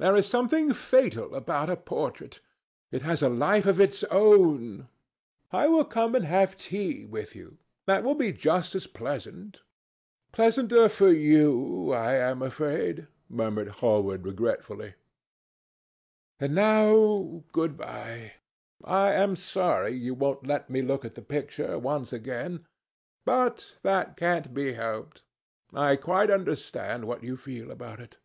There is something fatal about a portrait. It has a life of its own. I will come and have tea with you. That will be just as pleasant." "Pleasanter for you, I am afraid," murmured Hallward regretfully. "And now good bye. I am sorry you won't let me look at the picture once again. But that can't be helped. I quite understand what you feel about it."